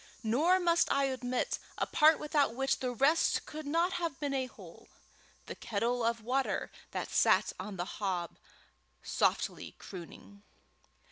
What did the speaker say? Nor must I omit a part without which the rest could not have been a whole the kettle of water that sat on the hob, softly crooning.